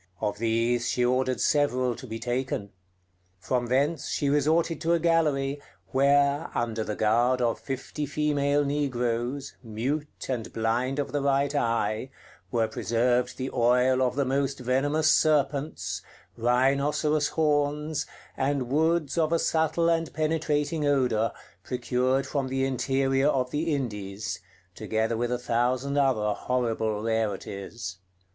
Of these she ordered several to be taken. From thence she resorted to a gallery, where, under the guard of fifty female negroes, mute, and blind of the right eye, were preserved the oil of the most venomous serpents, rhinoceros horns, and woods of a subtle and penetrating odor, procured from the interior of the Indies, together with a thousand other horrible rarities.